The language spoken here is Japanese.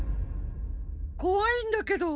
こわいんだけど。